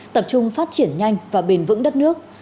tập trung phát triển nhanh và bền vững đất nước